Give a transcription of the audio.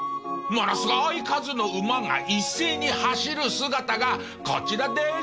ものすごい数の馬が一斉に走る姿がこちらです。